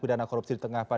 terima kasih pak